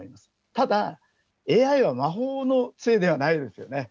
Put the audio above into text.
ただ、ＡＩは魔法のつえではないですよね。